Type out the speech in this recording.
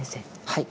はい。